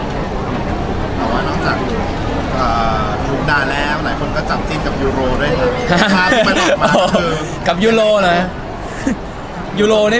มีมีมีมีมีมีมีมี